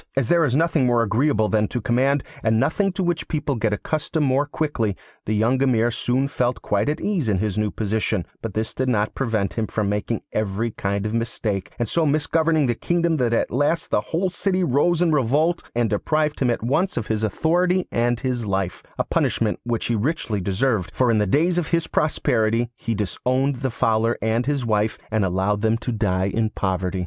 As there is nothing more agreeable than to command, and nothing to which people get accustomed more quickly, the young Emir soon felt quite at his ease in his new position; but this did not prevent him from making every kind of mistake, and so misgoverning the kingdom that at last the whole city rose in revolt and deprived him at once of his authority and his life a punishment which he richly deserved, for in the days of his prosperity he disowned the Fowler and his wife, and allowed them to die in poverty.